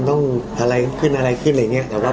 แต่ว่าเพียงแง่ว่าเราอย่างนึกถึงโมเมนต์ดีของเราได้